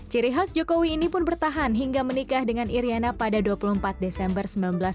ciri khas jokowi ini pun bertahan hingga menikah dengan iryana pada dua puluh empat desember seribu sembilan ratus empat puluh